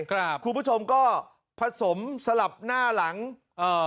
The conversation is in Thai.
คุณผู้ชมก็ผสมสลับหน้าหลังเอ่อ